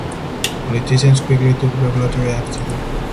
Politicians quickly took regulatory action.